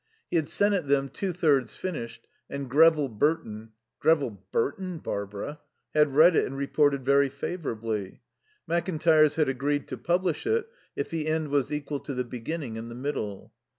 He had sent it them two thirds finished, and Grevill Burton "Grevill Burton, Barbara!" had read it and reported very favourably. Mackintyres had agreed to publish it if the end was equal to the beginning and the middle.